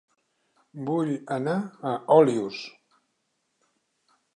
Vull anar a Olius